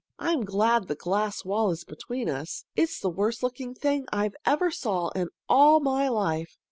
I'm glad the glass wall is between us. It's the worst looking thing I ever saw in all my life!